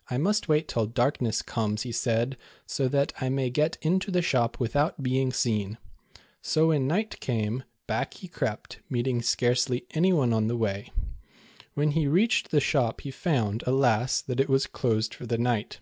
" I must wait till darkness comes," he said, "so that I may get into the shop without being seen." So when night came, back he crept, meeting scarcely anyone on the way. When he reached the shop, he found, alas, that it was closed for the night.